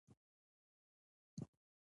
دغه ګوجر غریب انسان د چا دی.